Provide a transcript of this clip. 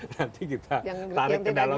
nanti kita tarik ke dalam